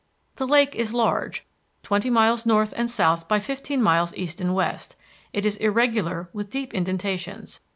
The lake is large, twenty miles north and south by fifteen miles east and west; it is irregular with deep indentations.